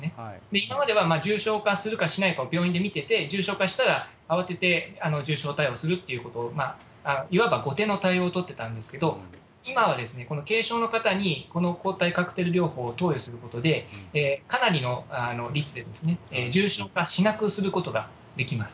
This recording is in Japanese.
今までは重症化するかしないかを病院で診てて、重症化したら、慌てて重症対応するっていうこと、いわば後手の対応を取ってたんですけど、今はこの軽症の方にこの抗体カクテル療法を投与することで、かなりの率で重症化しなくすることができます。